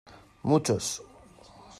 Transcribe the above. ¡ muchos!